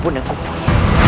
apapun yang kau minta